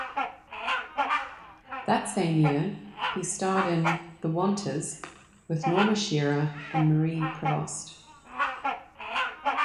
That same year he starred in "The Wanters" with Norma Shearer and Marie Prevost.